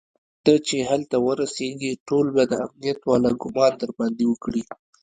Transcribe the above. ته چې هلته ورسېږي ټول به د امنيت والا ګومان درباندې وکړي.